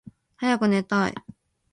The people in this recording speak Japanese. はやくねたい。